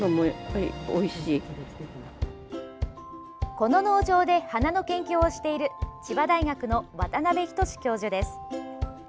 この農場で花の研究をしている千葉大学の渡辺均教授です。